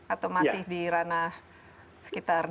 atau masih di ranah sekitar